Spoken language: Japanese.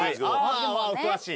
お詳しい？